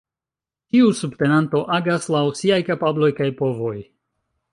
Ĉiu subtenato agas laŭ siaj kapabloj kaj povoj.